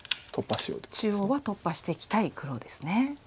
中央は突破していきたい黒ですね。